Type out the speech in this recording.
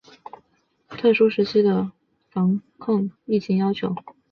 把特殊时期的防控疫情要求